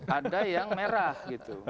ada yang merah gitu